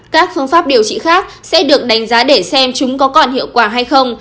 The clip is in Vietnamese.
các phương pháp điều trị khác sẽ được đánh giá để xem chúng có còn hiệu quả hay không